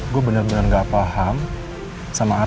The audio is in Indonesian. gue bener bener gak paham sama arah ngomong apa